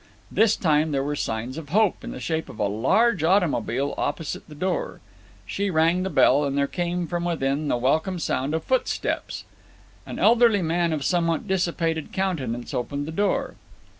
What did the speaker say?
This time there were signs of hope in the shape of a large automobile opposite the door. She rang the bell, and there came from within the welcome sound of footsteps. An elderly man of a somewhat dissipated countenance opened the door.